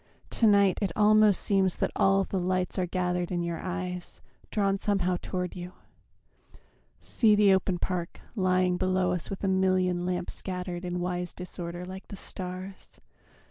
To night it almost seems That all the lights are gathered in your eyes, Drawn somehow toward you. See the open park Lying below us with a million lamps Scattered in wise disorder like the stars.